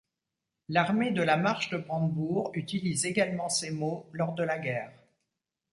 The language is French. L'armée de la marche de Brandebourg utilise également ces mots lors de la guerre.